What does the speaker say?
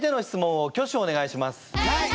はい！